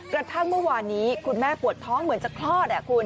กระทั่งเมื่อวานนี้คุณแม่ปวดท้องเหมือนจะคลอดคุณ